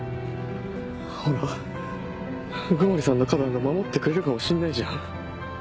ほら鵜久森さんの花壇が守ってくれるかもしんないじゃん。